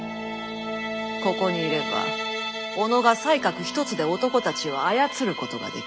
ここにいればおのが才覚一つで男たちを操ることができる。